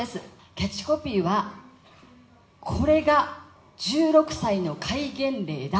キャッチコピーは、これが、１６歳の戒厳令だ。